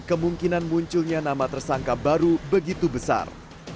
kemungkinan munculnya nama tersangka baru begitu besar